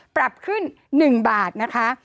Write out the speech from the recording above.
ปรับขึ้น๑บาทนะคะ